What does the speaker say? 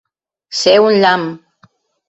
Ser un llamp.